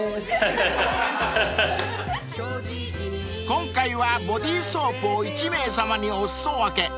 ［今回はボディソープを１名様にお裾分け］